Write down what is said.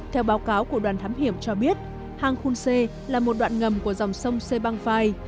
theo báo cáo của đoàn thám hiểm cho biết hang khunse là một đoạn ngầm của dòng sông sê bang phai